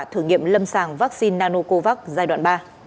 thử nghiệm lâm sàng vaccine nanocovax giai đoạn ba